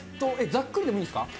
ざっくりでいいです。